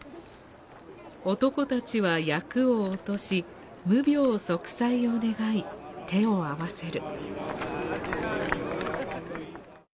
男たちは厄を落とし無病息災を願い、手を合わせる。